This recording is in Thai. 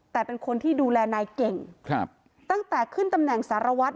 แต่เป็นคนที่ดูแลนายเก่งครับตั้งแต่ขึ้นตำแหน่งสารวัตร